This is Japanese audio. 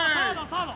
サード！